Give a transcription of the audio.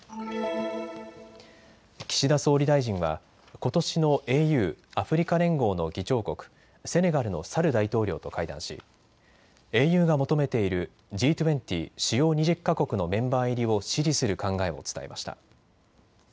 岸田総理大臣はことしのＡＵ・アフリカ連合の議長国、セネガルのサル大統領と会談しＡＵが求めているＧ２０・主要２０か国のメンバー入りを支持する考えを伝えました。